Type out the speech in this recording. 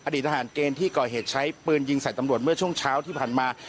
ทหารเกณฑ์ที่ก่อเหตุใช้ปืนยิงใส่ตำรวจเมื่อช่วงเช้าที่ผ่านมา